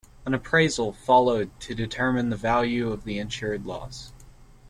An appraisal followed to determine the value of the insured loss.